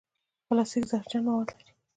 پلاستيک زهرجن مواد لري.